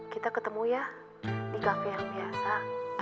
kita ketemu ya di kafe yang biasa